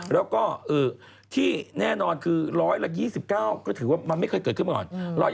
แล้วก็ที่แน่นอนคือ๑๒๙ก็ถือว่ามันไม่เคยเกิดขึ้นมาก่อน